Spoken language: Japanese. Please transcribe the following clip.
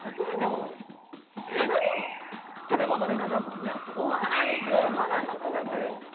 食べ物です。